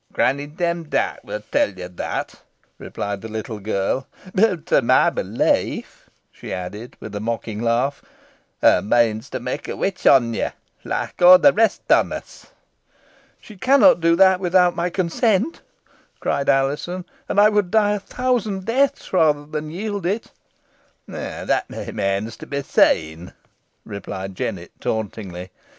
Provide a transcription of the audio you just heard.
"Granny Demdike will tell yo that," replied the little girl; "boh to my belief," she added, with a mocking laugh, "hoo means to may a witch o' ye, loike aw the rest on us." "She cannot do that without my consent," cried Alizon, "and I would die a thousand deaths rather than yield it." "That remains to be seen," replied Jennet, tauntingly.